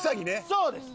そうです。